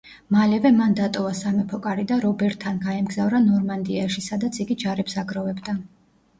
მალევე მან დატოვა სამეფო კარი და რობერთან გაემგზავრა ნორმანდიაში, სადაც იგი ჯარებს აგროვებდა.